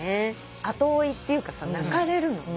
後追いっていうかさ泣かれるのね。